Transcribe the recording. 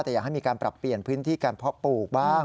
แต่อยากให้มีการปรับเปลี่ยนพื้นที่การเพาะปลูกบ้าง